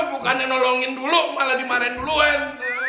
bukannya nolongin dulu malah dimarahin duluan